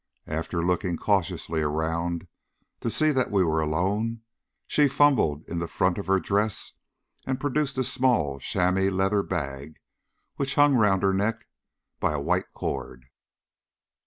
After looking cautiously around to see that we were alone, she fumbled in the front of her dress and produced a small chamois leather bag which was hung round her neck by a white cord.